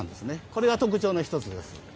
これが特徴の１つです。